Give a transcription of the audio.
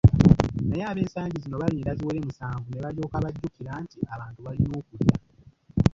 Naye ab'ensangi zino balinda ziwere musanvu ne balyoka bajjukira nti abantu balina okulya.